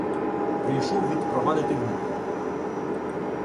Прийшов відпровадити внука.